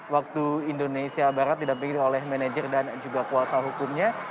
waktu indonesia barat didampingi oleh manajer dan juga kuasa hukumnya